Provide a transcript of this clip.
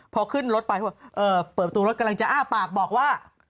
พอขึ้นรถไปเปิดประตูรถกำลังจะอ้าปากบอกว่า